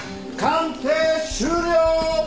鑑定終了！